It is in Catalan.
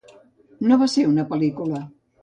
No va ser una pel·lícula.